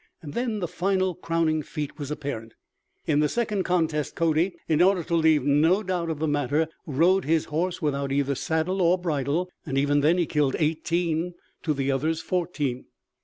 And then the final crowning feat was apparent. In the second contest Cody, in order to leave no doubt of the matter, rode his horse without either saddle or bridle, and even then he killed eighteen to the other's fourteen.